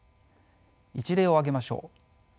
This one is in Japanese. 一例を挙げましょう。